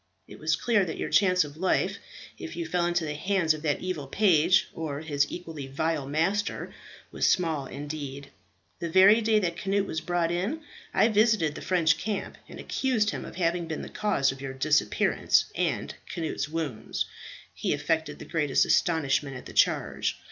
It was clear that your chance of life, if you fell into the hands of that evil page, or his equally vile master, was small indeed. The very day that Cnut was brought in, I visited the French camp, and accused him of having been the cause of your disappearance and Cnut's wounds. He affected the greatest astonishment at the charge.